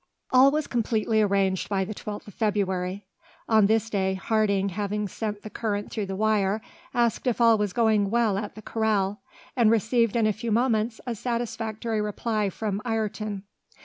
All was completely arranged by the 12th of February. On this day, Harding, having sent the current through the wire, asked if all was going on well at the corral, and received in a few moments a satisfactory reply from Ayrton.